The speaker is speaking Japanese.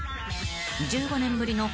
［１５年ぶりの］